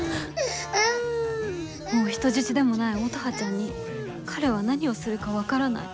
もう人質でもない乙葉ちゃんに彼は何をするか分からない。